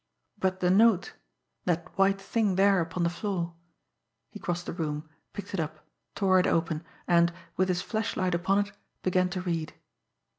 But the note! That white thing there upon the floor! He crossed the room, picked it up, tore it open, and, with his flashlight upon it, began to read.